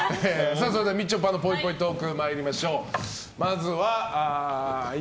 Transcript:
それではみちょぱのぽいぽいトーク参りましょう。